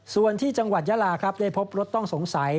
ส่วนที่จังหวัดยาลาครับได้พบรถต้องสงสัย